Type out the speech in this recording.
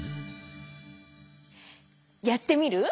やってみる？